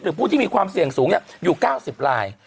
หรือผู้ที่มีความเสี่ยงสูงเนี่ยอยู่๙๐ลาย